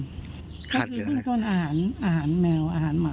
ก็คือเพิ่งชนอาหารอาหารแมวอาหารหมา